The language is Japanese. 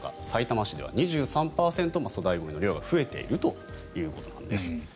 さいたま市では２３％も粗大ゴミの量が増えているということです。